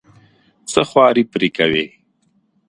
څه خواري پرې کوې.